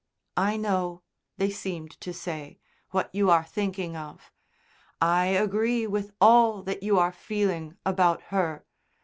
"I know," they seemed to say, "what you are thinking of. I agree with all that you are feeling about her.